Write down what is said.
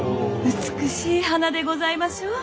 美しい花でございましょう？